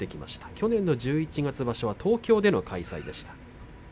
去年の十一月場所は東京での開催でした。